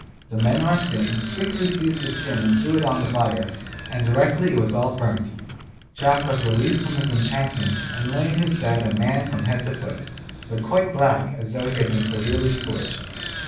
The men rushed in, quickly seized the skin and threw it on the fire, and directly it was all burnt Jack was released from his enchantment and lay in his bed a man from head to foot, but quite black as though he had been severely scorched.